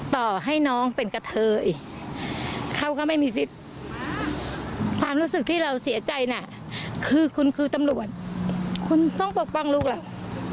ต่อให้น้องเป็นกะเทยเขาก็ไม่มีสิทธิ์ความรู้สึกที่เราเสียใจน่ะคือคุณคือตำรวจคุณต้องปกป้องลูกเรา